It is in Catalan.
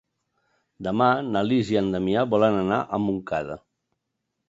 Demà na Lis i en Damià volen anar a Montcada.